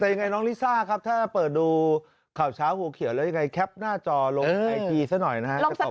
แต่ยังไงน้องลิซ่าครับถ้าเปิดดูข่าวเช้าหัวเขียวแล้วยังไงแคปหน้าจอลงไอทีซะหน่อยนะครับ